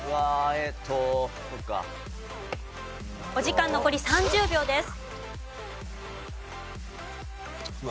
えっ？お時間残り１０秒です。